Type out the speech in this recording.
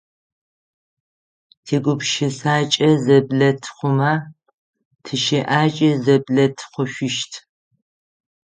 ТигупшысакӀэ зэблэтхъумэ тищыӀакӀи зэблэтхъушъущт.